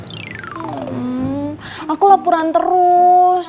hmm aku lapuran terus